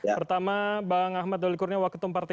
pertama bang ahmad dali kurnia wakitum parti